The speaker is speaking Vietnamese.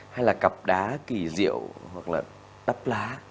hay là cặp đá kỳ diệu hoặc là đắp lá